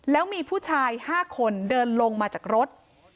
แล้วมีผู้ชาย๕คนเดินลงมาจากรถ